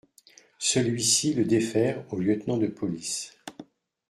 Celui-ci le défère au lieutenant de police.